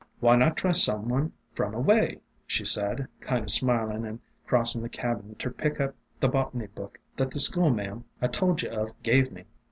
"* Why not try some one from away ?' she said, kind o' smilin' and crossin' the cabin ter pick up the botany book that the schoolma'am I told ye of gave me.